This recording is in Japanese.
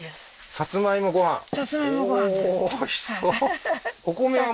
さつまいもご飯です